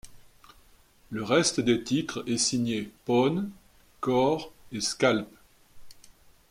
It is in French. Le reste des titres, est signé Pone, Kore et Skalp.